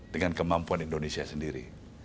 dengan kemampuan indonesia sendiri